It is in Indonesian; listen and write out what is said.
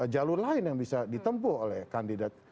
jalur lain yang bisa ditempuh oleh kandidat